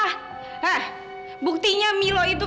hah buktinya milo itu